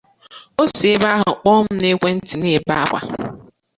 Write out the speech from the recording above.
o si ebe ahụ kpọọ m n’ekwenti na-ebe akwa